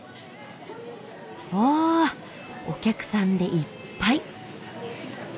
うわお客さんでいっぱい。